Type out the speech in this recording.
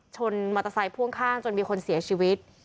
ชนมอเตอร์ไซค์พ่วงข้างจนมีคนเสียชีวิต